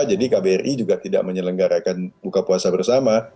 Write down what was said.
jadi kbri juga tidak menyelenggarakan buka puasa bersama